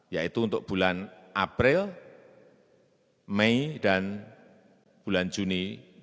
yaitu untuk bulan april mei dan bulan juni dua ribu dua puluh